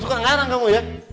bukan ngarang kamu ya